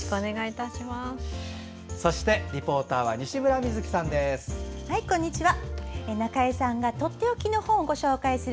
そしてリポーターは西村美月さんです。